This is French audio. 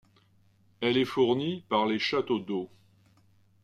Elle est fournie par les châteaux d'eau.